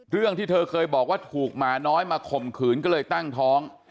เรื่องที่เธอเคยบอกว่าถูกหมาน้อยมาข่มขืนก็เลยตั้งท้อง